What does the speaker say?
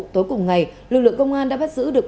tối cùng ngày lực lượng công an đã bắt giữ được